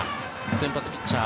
先発ピッチャー